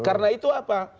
karena itu apa